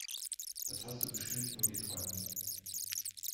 Das hast du bestimmt nur geträumt!